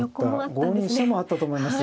５二飛車もあったと思います。